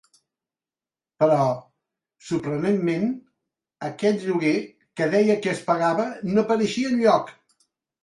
Però, sorprenentment, aquest lloguer que deia que es pagava no apareixia enlloc.